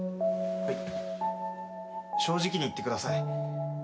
正直に言ってください。